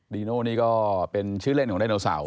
ดีโน่นี่ก็เป็นชื่อเล่นของไดโนเสาร์